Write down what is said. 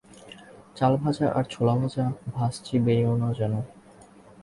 -চাল ভাজা আর ছোলা ভাজা ভাজচি-বেরিয়ো না যেন।